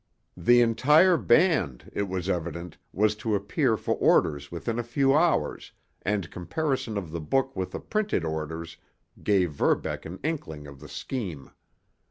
The entire band, it was evident, was to appear for orders within a few hours and comparison of the book with the printed orders gave Verbeck an inkling of the scheme.